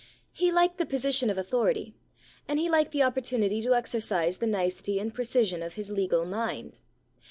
He liked the position of authority, and he liked the oppor tunity to exercise the nicety and precision of his legal mind.